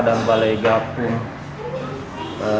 dan balai gapung